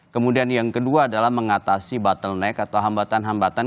kemudian yang kedua adalah mengatasi bottleneck atau hambatan hambatan